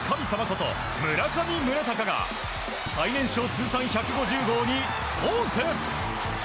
こと村上宗隆が最年少通算１５０号に王手！